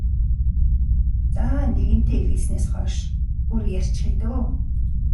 За нэгэнтээ эхэлснээс хойш бүр ярьчихъя даа.